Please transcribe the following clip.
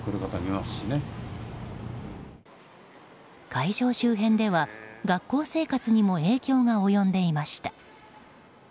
会場周辺では学校生活にも影響が及んでいました。